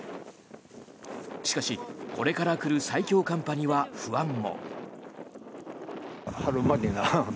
しかし、これから来る最強寒波には不安も。